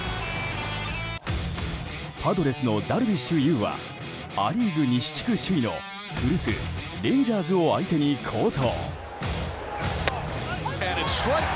パドレスのダルビッシュ有はア・リーグ西地区首位の古巣レンジャーズを相手に好投。